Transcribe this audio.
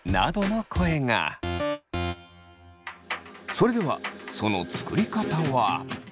それではその作り方は。